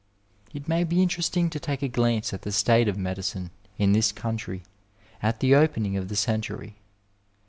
It may be interesting to take a glance at the state of medicine in this country at the opening of the century.